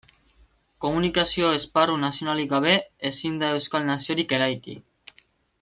Komunikazio esparru nazionalik gabe, ezin da euskal naziorik eraiki.